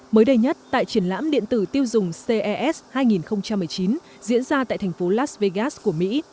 mới đây nhất tại triển lãm điện tử tiêu dùng ces hai nghìn một mươi chín diễn ra tại thành phố las vegas của mỹ